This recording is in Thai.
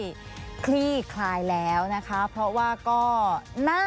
มันจอดอย่างง่ายอย่างง่ายอย่างง่ายอย่างง่าย